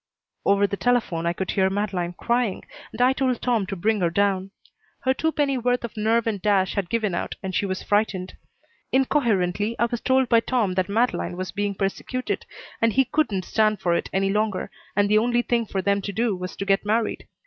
Over the telephone I could hear Madeleine crying and I told Tom to bring her down. Her two penny worth of nerve and dash had given out and she was frightened. Incoherently I was told by Tom that Madeleine was being persecuted, and he wouldn't stand for it any longer, and the only thing for them to do was to get married.